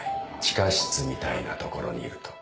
地下室みたいなところにいる」と。